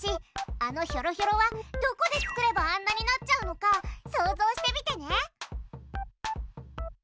あのひょろひょろはどこで作ればあんなになっちゃうのか想像してみてね。